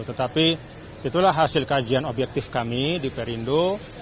tetapi itulah hasil kajian objektif kami di perindo